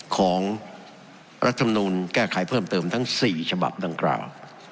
ของรัฐธรรมนูลแก้ไขเพิ่มเติมทั้ง๔ฉบับดังกล่าว